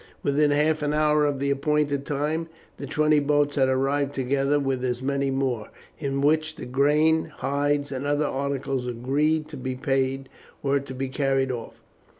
Within half an hour of the appointed time the twenty boats had arrived together with as many more, in which the grain, hides, and other articles agreed to be paid were to be carried off.